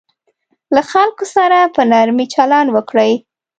له خلکو سره په نرمي چلند وکړئ.